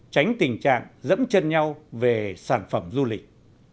tránh tình trạng dẫm chân nhau về sản phẩm du lịch